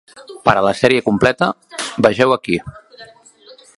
Per a la sèrie completa, vegeu aquí.